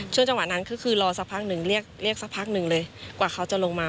จังหวะนั้นคือรอสักพักหนึ่งเรียกสักพักหนึ่งเลยกว่าเขาจะลงมา